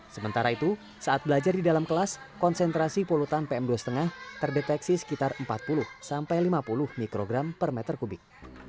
sementara itu saat belajar di dalam kelas konsentrasi polutan pm dua lima terdeteksi sekitar empat puluh sampai lima puluh mikrogram per meter kubik